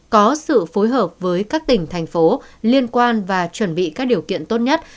có sự phối hợp với các tỉnh thành phố liên quan và chuẩn bị các điều kiện tốt nhất